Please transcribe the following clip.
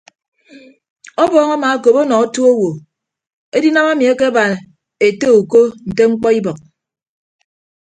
Ọbọọñ amaakop ọnọ otu owo edinam emi akeba ete uko nte mkpọ ibọk.